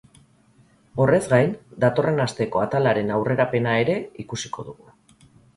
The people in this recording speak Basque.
Horrez gain, datorren asteko atalaren aurrerapena ere ikusiko dugu.